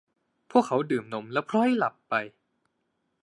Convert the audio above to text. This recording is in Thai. พวกเขาดื่มนมแล้วผล็อยหลับไป